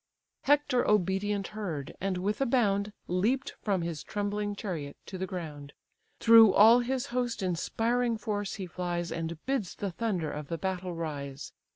Hector obedient heard: and, with a bound, Leap'd from his trembling chariot to the ground; Through all his host inspiring force he flies, And bids the thunder of the battle rise.